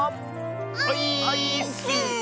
オイーッス！